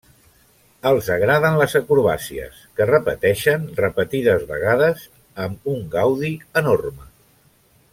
Els agraden les acrobàcies, que repeteixen repetides vegades amb un gaudi enorme.